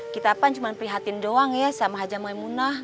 kita kan cuma prihatin doang ya sama haja maemunah